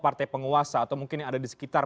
partai penguasa atau mungkin yang ada di sekitar